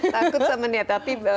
takut sama niat